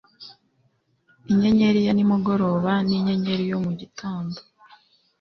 Inyenyeri ya nimugoroba n'inyenyeri yo mu gitondo